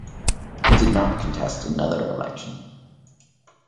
It did not contest another election.